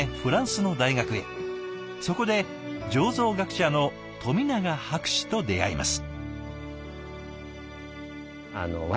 そこで醸造学者の富永博士と出会います。